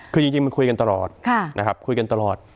คือจริงมันคุยกันตลอดนะครับคุยกันตลอด